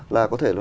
là có thể là